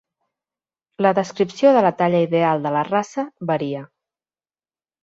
La descripció de la talla ideal de la raça varia.